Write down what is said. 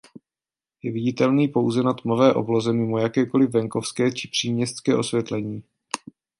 Je viditelný pouze na tmavé obloze mimo jakékoliv venkovské či příměstské osvětlení.